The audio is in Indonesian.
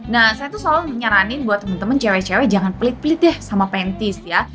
nah saya tuh selalu menyaranin buat teman teman cewek cewek jangan pelit pelit deh sama paintis ya